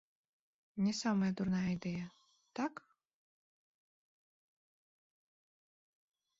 Не самая дурная ідэя, так?